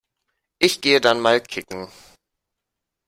Ich gehe dann mal kicken.